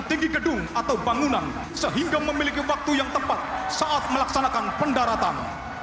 tinggi gedung atau bangunan sehingga memiliki waktu yang tepat saat melaksanakan pendaratan